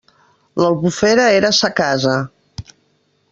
L'Albufera era sa casa.